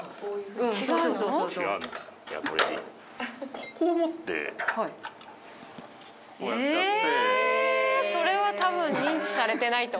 ここを持ってこうやってやって。